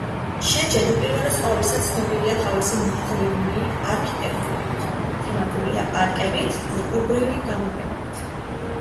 შენჯენი, უპირველეს ყოვლისა, ცნობილია თავისი მაღლივი არქიტექტურით, თემატური პარკებით, დარგობრივი გამოფენებით.